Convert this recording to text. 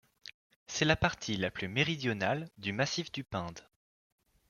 C'est la partie la plus méridionale du massif du Pinde.